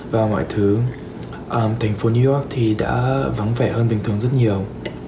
và ngoại thứ thành phố new york thì đã vắng vẻ hơn bình thường rất nhiều